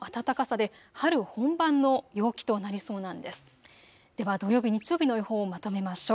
では土曜日、日曜日の予報をまとめましょう。